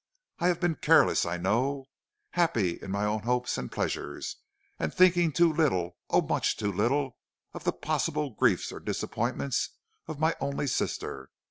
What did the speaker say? I have been careless, I know, happy in my own hopes and pleasures, and thinking too little, oh, much too little, of the possible griefs or disappointments of my only sister.